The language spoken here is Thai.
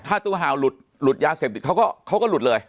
ถ้าตู้ห่าวหลุดยาเสพติดเขาก็หลุดเลย